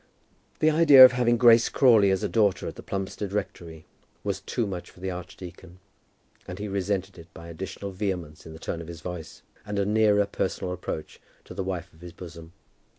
The idea of having Grace Crawley as a daughter at the Plumstead Rectory was too much for the archdeacon, and he resented it by additional vehemence in the tone of his voice, and a nearer personal approach to the wife of his bosom.